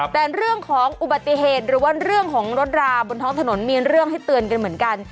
แต่เรื่องของอุบัติเหตุหรือว่าเรื่องของรถราบนท้องถนนมีเรื่องให้เตือนกันเหมือนกัน